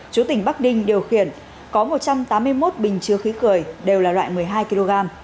chú tỉnh bắc ninh điều khiển có một trăm tám mươi một bình chứa khí cười đều là loại một mươi hai kg